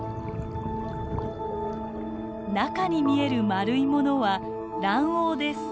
中に見える丸いものは卵黄です。